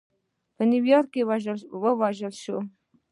په نیویارک کې ووژل شو.